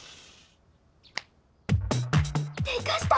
でかした！